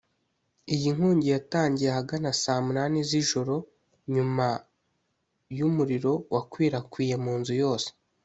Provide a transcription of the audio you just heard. Iyi nkongi yatangiye ahagana saa munani z’ijoro nyuma y’umuriro wakwirakwiriye mu nzu yose